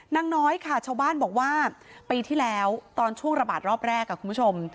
นางน้อยค่ะชาวบ้านบอกว่าปีที่แล้วตอนช่วงระบาดรอบแรกคุณผู้ชม